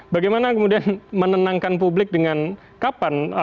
bagaimana kemudian menenangkan publik dengan kapan